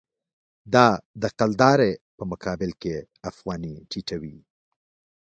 دا د کلدارې په مقابل کې افغانۍ ټیټوي.